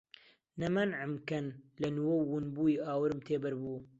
نە مەنعم کەن لە نووەو ون بووی ئاورم تێ بەر بوو